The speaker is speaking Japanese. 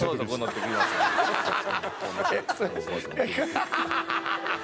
ハハハハ！